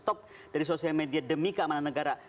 top dari sosial media demi keamanan negara